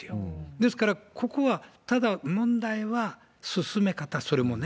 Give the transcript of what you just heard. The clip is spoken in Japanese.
ですから、ここは、ただ問題は進め方、それもね。